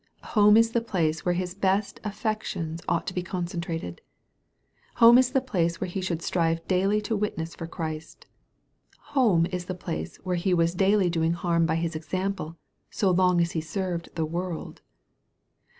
Home is the place where his best affections ought to be concentra ted. Home is the place where he should strive daily to witness for Christ. Home is the place where he was daily doing harm by his example, so long as he served the world.